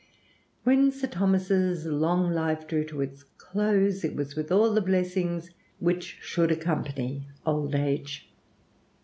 When Sir Thomas's long life drew to its close, it was with all the blessings "which should accompany old age."